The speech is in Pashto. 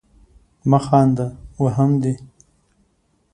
مه خانده ! وهم دي.